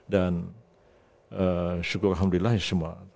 dan syukur alhamdulillah ya semua